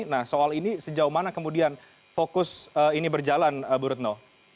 nah soal ini sejauh mana kemudian fokus ini berjalan bu retno